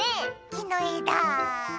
きのえだ！